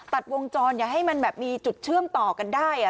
ตัดวงจรอย่าให้มันแบบมีจุดเชื่อมต่อกันได้